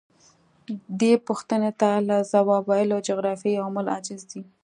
دې پوښتنې ته له ځواب ویلو جغرافیوي عوامل عاجز دي.